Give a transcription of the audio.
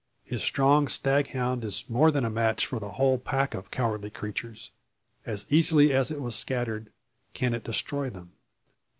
His strong stag hound is more than a match for the whole pack of cowardly creatures. As easily as it has scattered, can it destroy them.